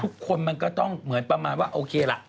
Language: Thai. ทุกคนมันก็ต้องเหมือนประมาณว่าโอเคล่ะ